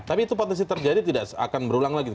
tapi itu potensi terjadi tidak akan berulang lagi